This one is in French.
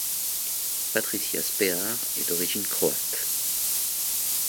Patricia Spehar est d'origine croate.